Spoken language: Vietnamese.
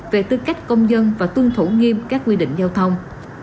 về tư cách công dân và tuân thủ nghiêm các quy định giao thông